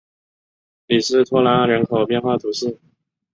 里斯托拉人口变化图示